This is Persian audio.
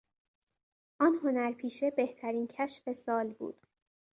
آن هنرپیشه بهترین کشف سال بود.